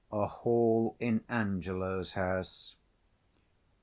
_A hall in ANGELO'S house.